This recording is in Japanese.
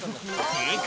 正解！